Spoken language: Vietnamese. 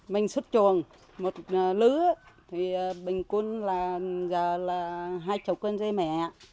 mình xuất chuồng một lứa thì bình quân là giờ là hai mươi con dê mẹ